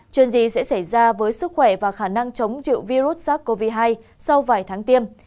chuyện gì sẽ xảy ra với sức khỏe và khả năng chống chịu virus sars cov hai sau vài tháng tiêm